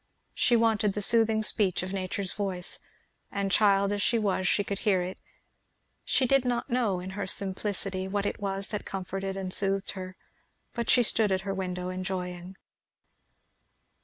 She wanted the soothing speech of nature's voice; and child as she was she could hear it. She did not know, in her simplicity, what it was that comforted and soothed her, but she stood at her window enjoying.